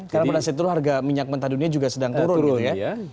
karena pada saat itu harga minyak mentah dunia juga sedang turun